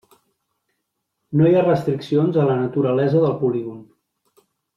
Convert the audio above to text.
No hi ha restriccions a la naturalesa del polígon.